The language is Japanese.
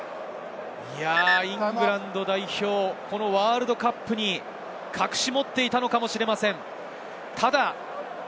イングランド代表ワールドカップに隠し持っていたのかもしれません。